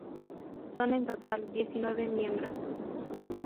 Son en total diecinueve miembros.